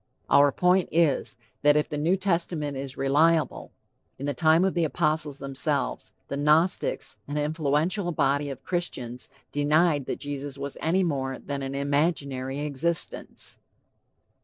Our point is, that if the New Testament is reliable, in the time of the apostles themselves, the Gnostics, an influential body of Christians, denied that Jesus was any more than an imaginary existence.